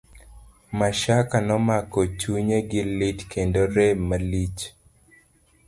Mashaka nomako chunye gi lit kendo rem malich.